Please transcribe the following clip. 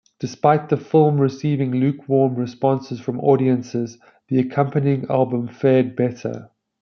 Despite the film receiving lukewarm responses from audiences, the accompanying album fared better.